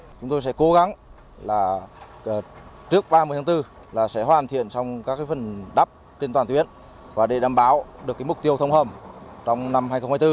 chúng tôi sẽ cố gắng là trước ba mươi tháng bốn là sẽ hoàn thiện xong các phần đắp trên toàn tuyến và để đảm bảo được mục tiêu thông hầm trong năm hai nghìn hai mươi bốn